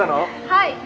はい。